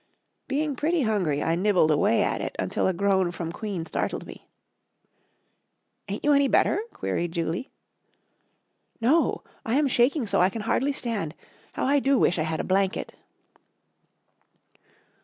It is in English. Being pretty hungry, I nibbled away at it until a groan from Queen startled me. "Ain't you any better?" queried Julie. "No, I am shaking so I can hardly stand; how I do wish I had a blanket!"